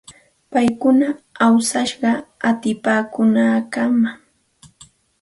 Paykuna awsashqa utipaakuunankamam.